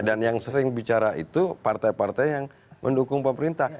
dan yang sering bicara itu partai partai yang mendukung pemerintah